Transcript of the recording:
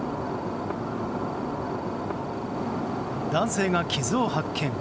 男性が傷を発見。